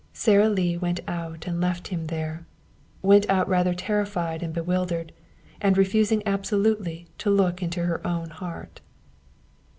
Sara Lee went out and left him there, went out rather terrified and bewildered, and refusing absolutely to look into her own heart.